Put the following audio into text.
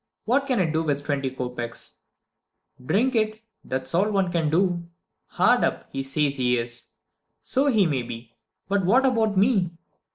What can I do with twenty kopeks? Drink it that's all one can do! Hard up, he says he is! So he may be but what about me?